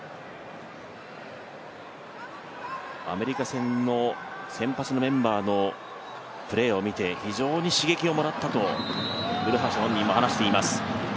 アメリカ戦の先発のメンバーのプレーを見て非常に刺激をもらったと古橋本人も話しています。